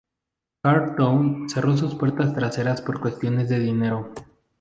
Car Town cerró sus puertas traseras por cuestiones de dinero.